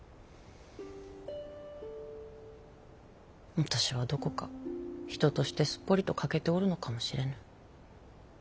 私はどこか人としてすっぽりと欠けておるのかもしれぬ。